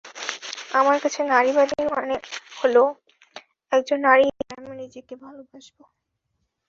আমার কাছে নারীবাদী মানে হলো একজন নারী হিসেবে আমি নিজেকে ভালোবাসব।